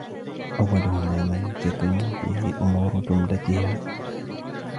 أَوَّلُهُمَا مَا يَنْتَظِمُ بِهِ أُمُورُ جُمْلَتهَا